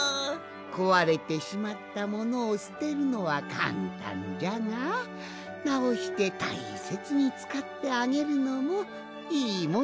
こわれてしまったものをすてるのはかんたんじゃがなおしてたいせつにつかってあげるのもいいもんじゃろう？